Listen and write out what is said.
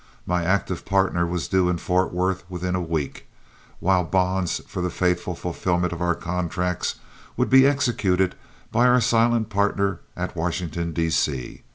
My active partner was due in Fort Worth within a week, while bonds for the faithful fulfillment of our contracts would be executed by our silent partner at Washington, D.C.